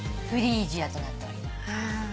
フリージアとなっております。